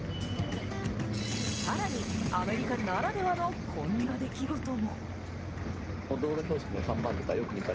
さらに、アメリカならではのこんな出来事も。